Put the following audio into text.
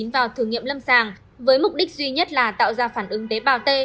vào thử nghiệm lâm sàng với mục đích duy nhất là tạo ra phản ứng tế bào t